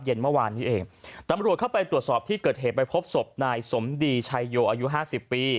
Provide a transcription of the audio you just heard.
เมื่อวานนี้เองตำรวจเข้าไปตรวจสอบที่เกิดเหตุไปพบศพนายสมดีชัยโยอายุห้าสิบปี